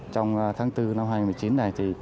trong tháng bốn năm hai nghìn một mươi chín này